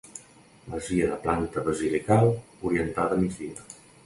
Masia de planta basilical, orientada a migdia.